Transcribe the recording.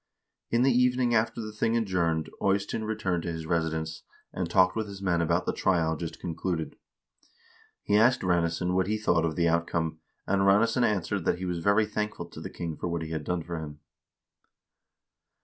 In the evening after the thing adjourned Eystein returned to his residence, and talked with his men about the trial just concluded. He asked Ranes son what he thought of the outcome, and Ranesson answered that he was very thankful to the king for what he had done for him.